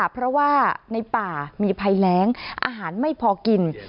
เพราะว่าในป่ามีภัยแรงอาหารไม่พอกิน